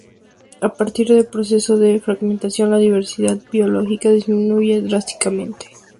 A partir del proceso de fragmentación la diversidad biológica disminuye drásticamente.